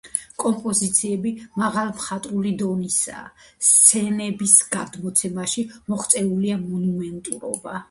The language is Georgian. კომპოზიციები მაღალმხატვრული დონისაა; სცენების გადმოცემაში მოღწეულია მონუმენტურობა.